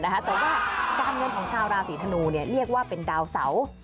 แต่ว่าการเงินของชาวราศีธนูเรียกว่าเป็นดาวเสา